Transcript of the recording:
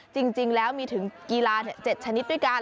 จริงแล้วมีถึงกีฬา๗ชนิดด้วยกัน